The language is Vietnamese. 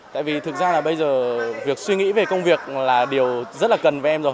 tại vì thực ra là bây giờ việc suy nghĩ về công việc là điều rất là cần với em rồi